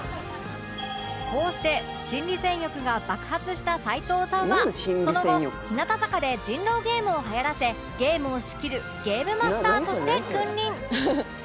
こうして心理戦欲が爆発した齊藤さんはその後日向坂で人狼ゲームをはやらせゲームを仕切るゲームマスターとして君臨